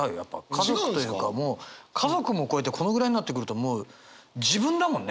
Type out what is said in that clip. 家族というかもう家族も超えてこのぐらいになってくるともう自分だもんね。